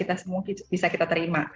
tentu bisa kita terima